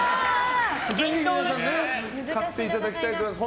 ぜひ、皆さん買っていただきたいと思います。